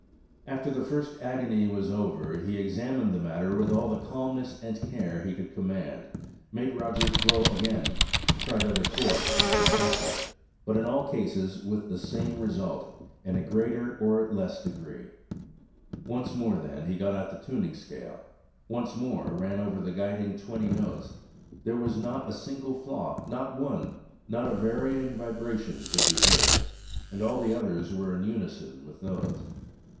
After the first agony was over, he examined the matter with all the calmness and care he could command–made Roger blow again–tried other chords in succession–but in all cases with the same result, in a greater or less degree. Once more, then, he got out the tuning scale–once more ran over the guiding twenty notes: there was not a single flaw, not one; not a varying vibration could be heard; and all the others were in unison with those.